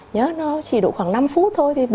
nhớ nó chỉ độ khoảng năm phút thôi